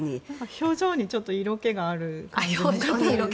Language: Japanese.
表情に色気があるような。